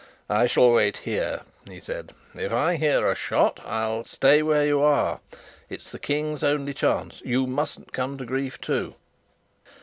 "I shall wait here," he said. "If I hear a shot, I'll " "Stay where you are; it's the King's only chance. You mustn't come to grief too."